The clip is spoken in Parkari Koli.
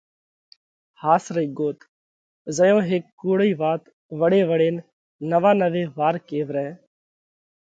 ۿاس رئِي ڳوت: زئيون هيڪ ڪُوڙئِي وات وۯي وۯينَ نوانوي وار ڪيوَرائہ